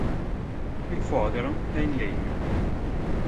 Il fodero è in legno.